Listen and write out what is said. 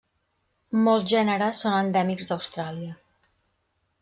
Molts gèneres són endèmics d'Austràlia.